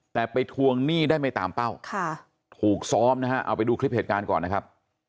แต่ไปทวงหนี้ได้ไม่ตามเป้าถูกซ้อมนะฮะเอาไปดูคลิปเหตุการณ์ก่อนนะครับ